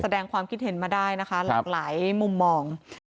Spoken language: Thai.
แสดงความคิดเห็นมาได้นะคะหลากหลายมุมมอง